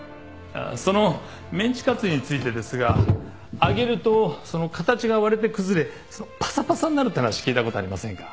そのメンチカツについてですが揚げるとその形が割れて崩れパサパサになるって話聞いたことありませんか？